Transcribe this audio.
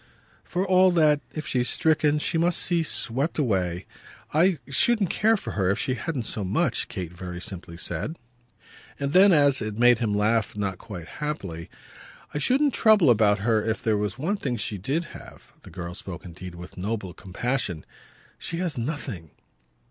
"For all that, if she's stricken, she must see swept away. I shouldn't care for her if she hadn't so much," Kate very simply said. And then as it made him laugh not quite happily: "I shouldn't trouble about her if there were one thing she did have." The girl spoke indeed with a noble compassion. "She has nothing."